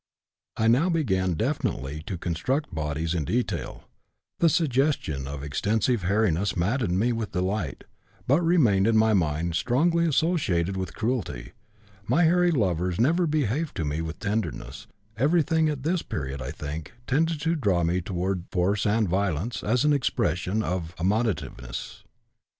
I now began definitely to construct bodies in detail; the suggestion of extensive hairiness maddened me with delight, but remained in my mind strongly associated with cruelty; my hairy lovers never behaved to me with tenderness; everything at this period, I think, tended to draw me toward force and violence as an expression of amativeness.